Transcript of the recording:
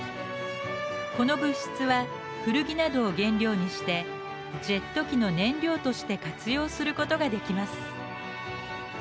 この物質は古着などを原料にしてジェット機の燃料として活用することができます。